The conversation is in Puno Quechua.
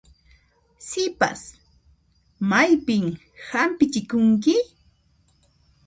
Sipas, maypin hampichikunki?